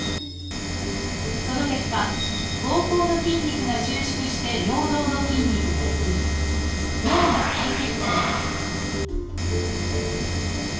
その結果ぼうこうの筋肉が収縮して尿道の筋肉が緩み尿が排泄されます